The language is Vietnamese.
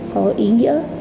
có ý nghĩa